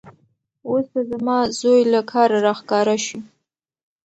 اوس به زما زوی له کاره راښکاره شي.